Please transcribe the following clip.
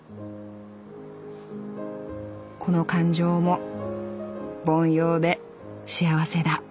「この感情も凡庸で幸せだ」。